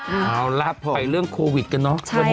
เอาล่ะพอไปเรื่องโควิดกันเนอะ